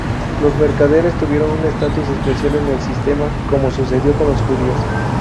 Los mercaderes tuvieron un estatus especial en el sistema, como sucedió con los judíos.